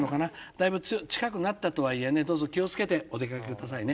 だいぶ近くなったとはいえねどうぞ気を付けてお出かけ下さいね。